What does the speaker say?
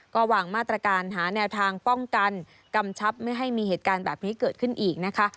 ก็วางมาตรการหาแนวทางป้องกันกำชับไม่ให้มีเหตุการณ์แบบนี้เกิดขึ้นอีกนะคะ